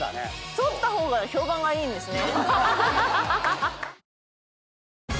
反った方が評判がいいんですね。